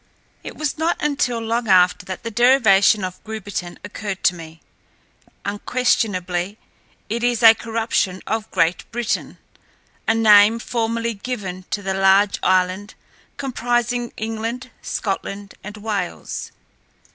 It was not until long after that the derivation of Grubitten occurred to me. Unquestionably it is a corruption of Great Britain, a name formerly given to the large island comprising England, Scotland and Wales.